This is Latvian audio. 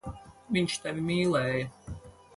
Viņš tevi mīlēja.